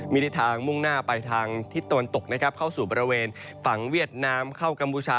มีทิศทางมุ่งหน้าไปทางทิศตะวันตกนะครับเข้าสู่บริเวณฝั่งเวียดนามเข้ากัมพูชา